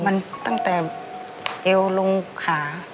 มันตั้งแต่เอวลงขา